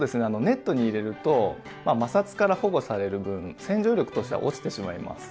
ネットに入れると摩擦から保護される分洗浄力としては落ちてしまいます。